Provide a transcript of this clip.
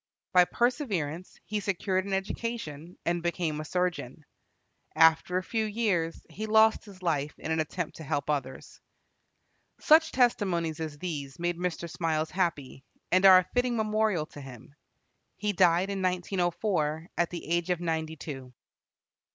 By perseverance he secured an education, and became a surgeon. After a few years he lost his life in an attempt to help others. Such testimonies as these made Mr. Smiles happy, and are a fitting memorial to him. He died in 1904, at the age of ninety two.